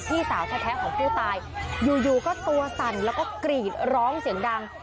พี่สาวแท้ของผู้ตายอยู่ก็ตัวสั่นแล้วก็กรีดร้องเสียงดัง